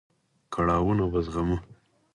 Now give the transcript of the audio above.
کړاوونه به زغمو.